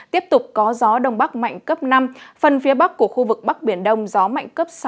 tiếp tục có gió đông bắc mạnh cấp năm phần phía bắc của khu vực bắc biển đông gió mạnh cấp sáu